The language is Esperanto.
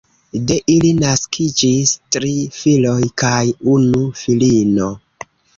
De ili naskiĝis tri filoj kaj unu filino.